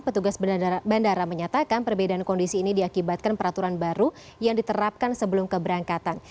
petugas bandara menyatakan perbedaan kondisi ini diakibatkan peraturan baru yang diterapkan sebelum keberangkatan